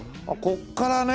ここからね。